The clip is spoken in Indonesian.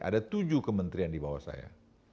ada tujuh kementerian di bawah saya